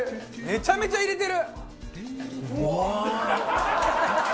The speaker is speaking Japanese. めちゃめちゃ入れてる！